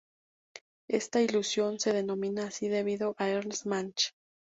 Esta ilusión se denomina así debido a Ernst Mach.